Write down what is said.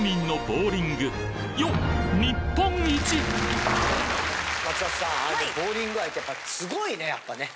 ボウリング愛ってやっぱり凄いねやっぱね。